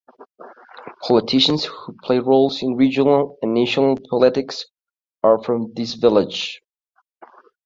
Politicians who play roles in regional and national politics are from this village.